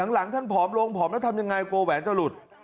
หลังท่านผอมลงผอมแล้วทำยังไงกลัวแหวนจะหลุด